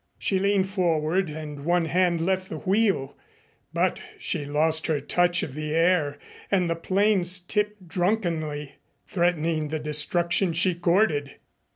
She leaned forward and one hand left the wheel, but she lost her touch of the air and the planes tipped drunkenly, threatening the destruction she courted.